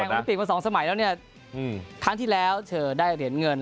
โอลิปิกมาสองสมัยแล้วเนี่ยครั้งที่แล้วเธอได้เหรียญเงิน